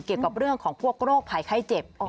เกี่ยวกับเรื่องของพวกโรคภัยไข้เจ็บ